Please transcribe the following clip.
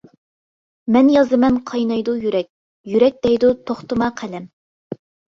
مەن يازىمەن قاينايدۇ يۈرەك، يۈرەك دەيدۇ:توختىما قەلەم.